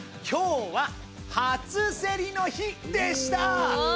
今日は初競りの日でした。